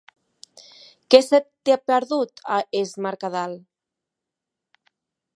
Què se t'hi ha perdut, a Es Mercadal?